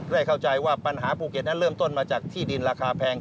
ได้เข้าใจว่าปัญหาภูเก็ตนั้นเริ่มต้นมาจากที่ดินราคาแพง